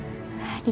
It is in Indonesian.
dede berdoa sama emak